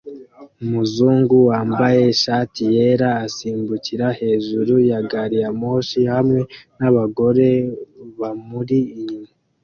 Umuzungu wambaye ishati yera asimbukira hejuru ya gari ya moshi hamwe nabagore bamuri inyuma